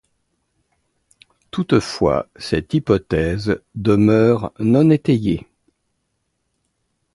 Toutefois, cette hypothèse demeure non étayée.